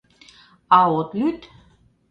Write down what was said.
— А от лӱд?